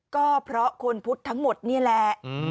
ก็เพราะคนพุทธทั้งหมดนี่แหละ